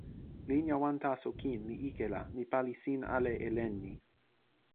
linja wan taso kin li ike la mi pali sin ale e len ni.